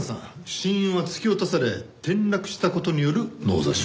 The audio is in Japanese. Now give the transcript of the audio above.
死因は突き落とされ転落した事による脳挫傷。